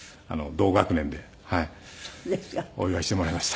お祝いしてもらいました。